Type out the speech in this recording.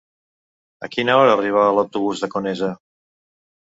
A quina hora arriba l'autobús de Conesa?